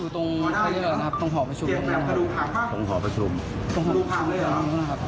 ตรงหอประชุมที่พนันเนาะ